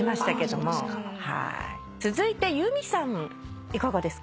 続いて結海さんいかがですか？